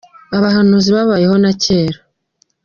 Abahanuzi babayeho na kera.